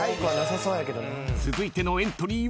［続いてのエントリーは］